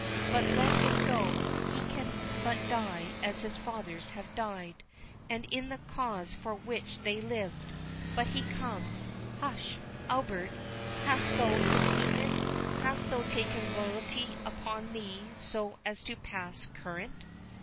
—But let him go; he can but die as his fathers have died; and in the cause for which they lived. But he comes—Hush!—Albert, hast thou succeeded? hast thou taken royalty upon thee so as to pass current?"